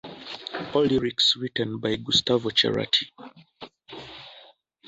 All lyrics written by Gustavo Cerati.